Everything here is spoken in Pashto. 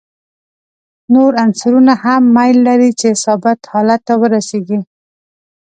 نور عنصرونه هم میل لري چې ثابت حالت ته ورسیږي.